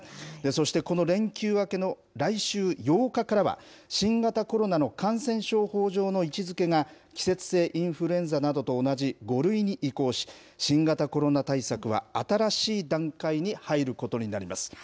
そしてこの連休明けの来週８日からは、新型コロナの感染症法上の位置づけが、季節性インフルエンザなどと同じ５類に移行し、新型コロナ対策は新しい段階に入ることになります。